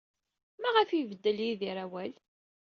Maɣef ay ibeddel Yidir awal?